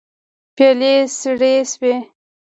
پيالې سړې شوې.